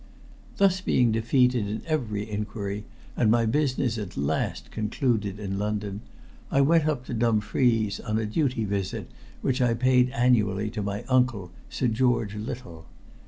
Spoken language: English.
Thus being defeated in every inquiry, and my business at last concluded in London, I went up to Dumfries on a duty visit which I paid annually to my uncle, Sir George Little.